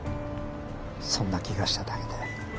そんな気がしただけだ。